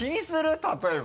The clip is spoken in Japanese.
例えば。